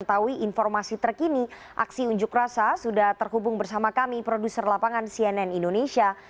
mengetahui informasi terkini aksi unjuk rasa sudah terhubung bersama kami produser lapangan cnn indonesia